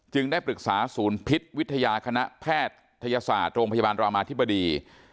ได้ปรึกษาศูนย์พิษวิทยาคณะแพทยศาสตร์โรงพยาบาลรามาธิบดี